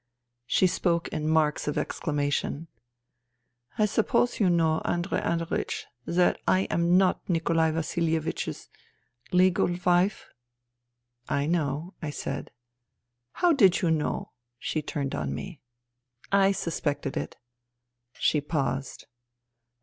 She spoke in marks of exclamation. " I suppose you know, Andrei Andreiech, that I am not Nikolai Vasilievich's ... legal wife ?"" I know," I said. " How did you know ?" she turned on me. " I suspected it." She paused.